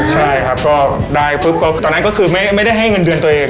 ใช่ครับก็ได้ปุ๊บก็ตอนนั้นก็คือไม่ได้ให้เงินเดือนตัวเอง